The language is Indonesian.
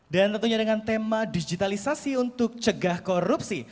dan tentunya dengan tema digitalisasi untuk cegah korupsi